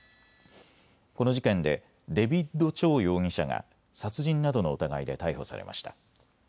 この事件でデビッド・チョウ容疑者が殺人などの疑いで逮捕されました。